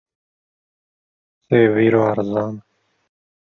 Sêv îro erzan in.